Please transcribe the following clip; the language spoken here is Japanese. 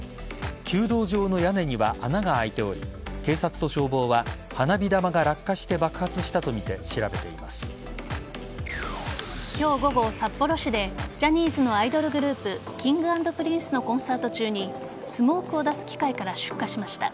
弓道場の屋根には穴が開いており警察と消防は花火玉が落下して爆発したとみて今日午後、札幌市でジャニーズのアイドルグループＫｉｎｇ＆Ｐｒｉｎｃｅのコンサート中にスモークを出す機械から出火しました。